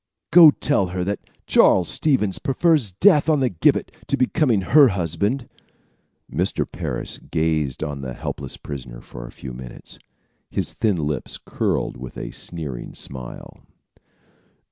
"Go tell her that Charles Stevens prefers death on the gibbet to becoming her husband." Mr. Parris gazed on the helpless prisoner for several minutes, his thin lips curled with a sneering smile.